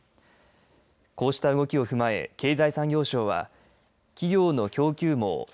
こうした動きを踏まえ経済産業省は企業の供給網